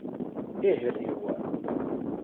Ihriw.